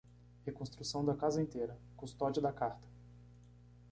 Reconstrução da casa inteira, custódia da carta